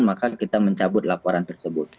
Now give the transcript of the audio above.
maka kita mencabut laporan tersebut